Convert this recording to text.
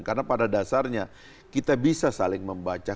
karena pada dasarnya kita bisa saling membaca